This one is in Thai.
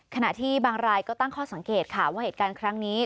ขณะที่บางรายก็ตั้งข้อสังเกตค่ะว่าเหตุการณ์ครั้งนี้